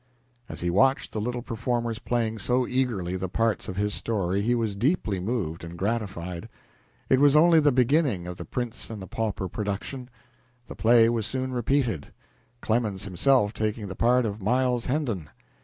As he watched the little performers playing so eagerly the parts of his story, he was deeply moved and gratified. It was only the beginning of "The Prince and the Pauper" production. The play was soon repeated, Clemens himself taking the part of Miles Hendon.